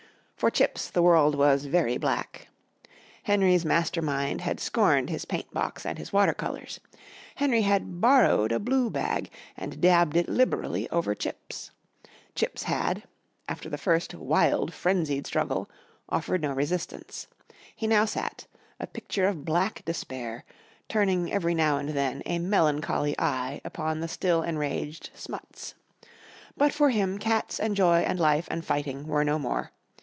For Chips the world was very black. Henry's master mind had scorned his paint box and his water colours. Henry had "borrowed" a blue bag and dabbed it liberally over Chips. Chips had, after the first wild frenzied struggle, offered no resistance. He now sat, a picture of black despair, turning every now and then a melancholy eye upon the still enraged Smuts. But for him cats and joy and life and fighting were no more.